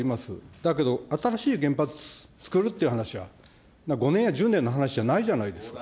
だけど、新しい原発つくるって話は、５年や１０年の話じゃないじゃないですか。